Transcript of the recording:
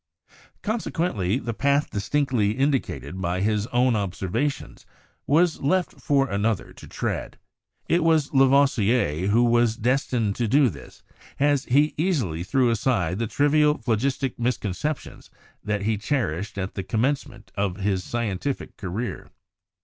Consequently, the path distinctly indicated by his own observations was left for another to tread. It was Lavoi sier who was destined to do this, as he easily threw aside the trivial phlogistic misconceptions that he cherished at the commencement of his scientific career.